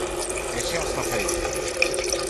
"E xa está feito".